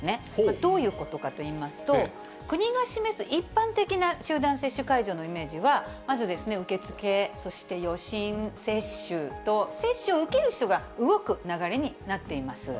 どういうことかといいますと、国が示す一般的な集団接種会場のイメージは、まず受け付け、そして予診、接種と、接種を受ける人が動く流れになっています。